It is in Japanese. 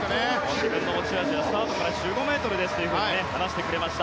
自分の持ち味はスタートから１５ｍですと話してくれました。